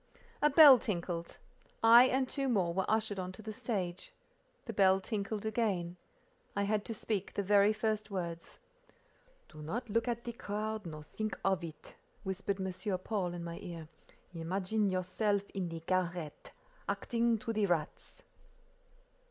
A bell tinkled. I and two more were ushered on to the stage. The bell tinkled again. I had to speak the very first words. "Do not look at the crowd, nor think of it," whispered M. Paul in my ear. "Imagine yourself in the garret, acting to the rats."